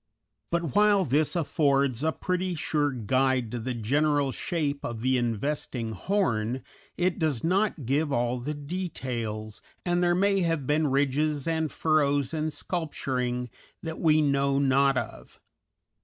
But while this affords a pretty sure guide to the general shape of the investing horn, it does not give all the details, and there may have been ridges and furrows and sculpturing that we know not of.